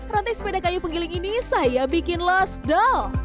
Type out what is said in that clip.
rantai sepeda kayu penggiling saya bikin los go